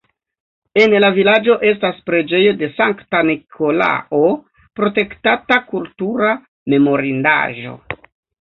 En la vilaĝo estas preĝejo de Sankta Nikolao, protektata kultura memorindaĵo.